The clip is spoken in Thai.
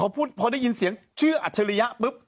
พอได้ยินเสียงชื่ออัฐรยะ